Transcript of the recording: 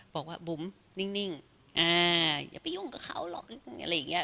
บอกว่าบุ๋มนิ่งอย่าไปยุ่งกับเขาหรอกอะไรอย่างเงี้